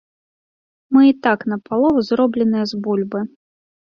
Мы і так напалову зробленыя з бульбы.